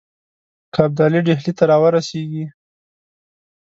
که ابدالي ډهلي ته را ورسیږي.